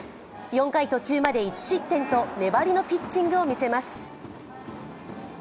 ４回途中まで１失点と粘りのピッチングを見せます。